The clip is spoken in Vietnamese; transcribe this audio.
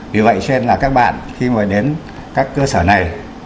vì vậy cho nên là các bạn khi mà đến các cơ sở này